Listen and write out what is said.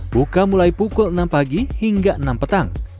buka mulai pukul enam pagi hingga enam petang